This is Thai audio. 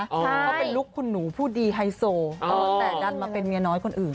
เขาเป็นลุคคุณหนูผู้ดีไฮโซแต่ดันมาเป็นเมียน้อยคนอื่น